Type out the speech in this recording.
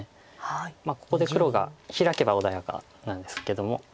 ここで黒がヒラけば穏やかなんですけども。